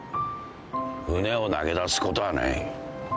船を投げ出すことはない。